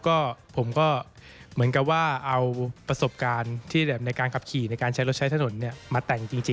ก็ผมก็เหมือนกับว่าเอาประสบการณ์ที่ในการขับขี่ในการใช้รถใช้ถนนมาแต่งจริง